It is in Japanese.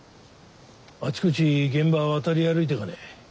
あちこち現場渡り歩いてかね？